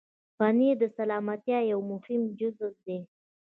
پنېر د سلامتیا یو مهم جز دی.